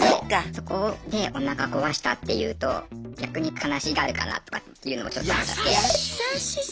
そこでおなか壊したっていうと逆に悲しがるかなとかっていうのもちょっと思っちゃって。